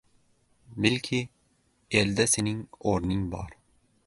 Bilki, elda sening o‘rning bor.